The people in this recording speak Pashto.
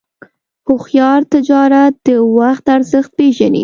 هوښیار تجارت د وخت ارزښت پېژني.